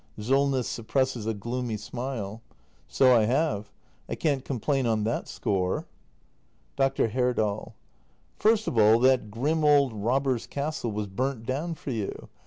Solness. [Suppresses a gloomy smile.] So I have. I can't com plain on that score. Dr. Herdal. First of all that grim old robbers' castle was burnt down for you.